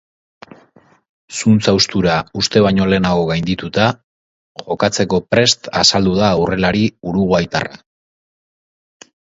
Zuntz haustura uste baino lehenago gaindituta, jokatzeko prest azaldu da aurrelari uruguaitarra.